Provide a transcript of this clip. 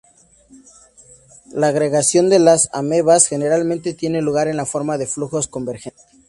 La agregación de las amebas generalmente tiene lugar en la forma de flujos convergentes.